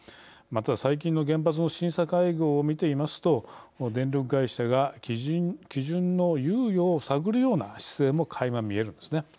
ただ、最近の原発の審査会合を見ていますと電力会社が基準の猶予を探るような姿勢もかいま見えるんですね。